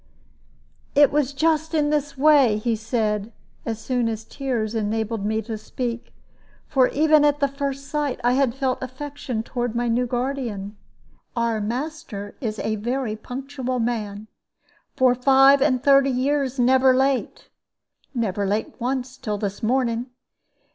"It was just in this way," he said, as soon as tears had enabled me to speak for even at the first sight I had felt affection toward my new guardian. "Our master is a very punctual man, for five and thirty years never late never late once till this morning.